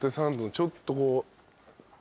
ちょっとこう。